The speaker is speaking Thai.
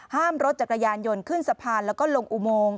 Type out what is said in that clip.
ห้ามรถจักรยานยนต์ขึ้นสภาและลงอุโมงค์